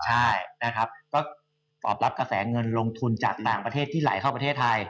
ใช่นะครับก็ตอบรับกระแสเงินลงทุนจากต่างประเทศที่ไหลเข้าประเทศไทย